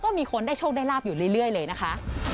ก็มีคนได้โชคได้ลาบอยู่เรื่อยเลยนะคะ